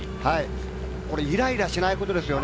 これ、イライラしないことですね。